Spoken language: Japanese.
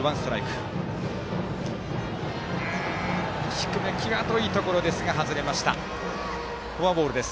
低め、際どいところが外れてフォアボールです。